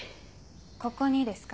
ここにですか？